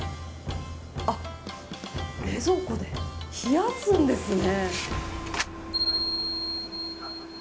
冷蔵庫で冷やすんですね。